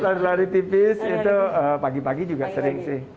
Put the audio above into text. lari lari tipis itu pagi pagi juga sering sih